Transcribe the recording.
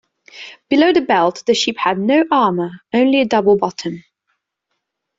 Below the belt the ship had no armor, only a double bottom.